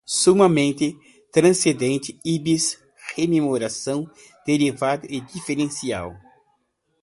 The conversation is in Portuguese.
Sumamente, transcendentes, íbis, rememoração, derivadas, diferencial